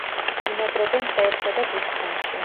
ბინადრობენ ტყეებსა და ბუჩქნარში.